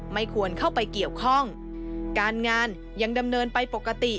ไม่ควรเข้าไปเกี่ยวข้องการงานยังดำเนินไปปกติ